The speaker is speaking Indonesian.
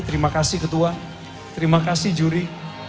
terima kasih ketua terima kasih juri